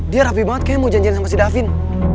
dia rapi banget kayaknya mau janjian sama si davin